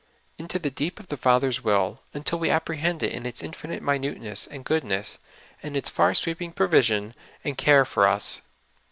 Into the deep of the Father's will, until we apprehend it in its infinite mi nuteness and goodness, and its far sweeping provision and care for us.